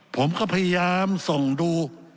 ผมก็พยายามส่องดู